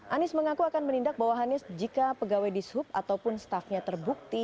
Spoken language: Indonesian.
anies mengaku akan menindak bahwa anies jika pegawai di sup ataupun stafnya terbukti